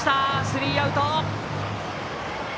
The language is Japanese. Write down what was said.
スリーアウト。